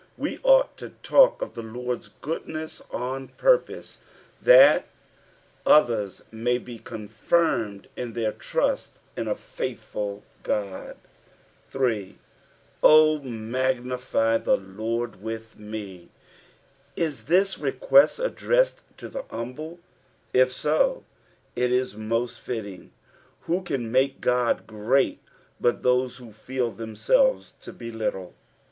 We ought to talk of the Lord's goodness on purpose that Others may be confirmed in their trust in a faithful Ood. 8. " 0 magnify the I/tri teilh me." Is this request addressed to the humble t If so it is most fitting. Who can make Qod great but those who feel them selves to be little?